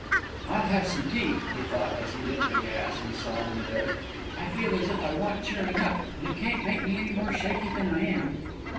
"I'll have some tea," he thought, as he lit the gas and saw them there. "I feel as if I want cheering up, and it can't make me any more shaky than I am."